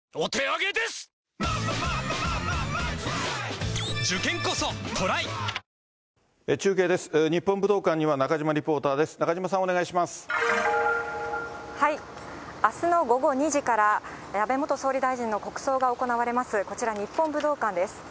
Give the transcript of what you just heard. あすの午後２時から、安倍元総理大臣の国葬が行われます、こちら日本武道館です。